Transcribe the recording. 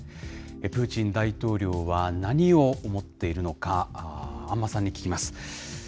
プーチン大統領は何を思っているのか、安間さんに聞きます。